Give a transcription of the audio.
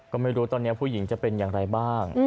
ก็ไม่รู้ตอนนี้ผู้หญิงจะเป็นอย่างไรบ้าง